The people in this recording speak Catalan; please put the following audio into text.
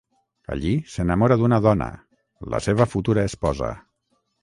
Allí s'enamora d'una dona, la seva futura esposa.